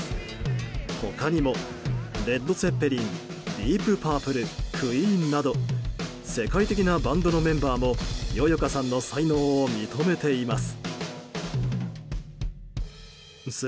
他にも、レッド・ツェッペリンディープ・パープルクイーンなど世界的なバンドのメンバーもよよかさんの才能を認めています。